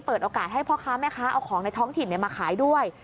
เปิดโอกาสให้พ่อค้าแม่ค้าเอาของในท้องถิ่นมาขายด้วย